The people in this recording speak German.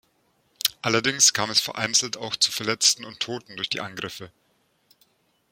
Allerdings kam es vereinzelt auch zu Verletzten und Toten durch die Angriffe.